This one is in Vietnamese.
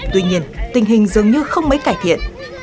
tuy nhiên tình hình dường như không mấy cải thiện